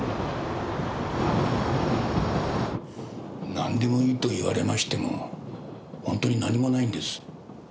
何でもいいと言われましても本当に何もないんです。